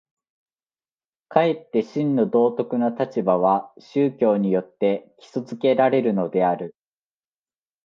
かえって真の道徳の立場は宗教によって基礎附けられるのである。